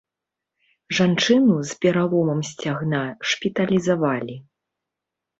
Жанчыну з пераломам сцягна шпіталізавалі.